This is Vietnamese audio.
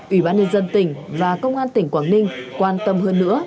ủy ban nhân dân tỉnh và công an tỉnh quảng ninh quan tâm hơn nữa